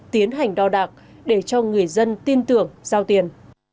tiến hành đo đạc để cho người dân tin tưởng giao tiền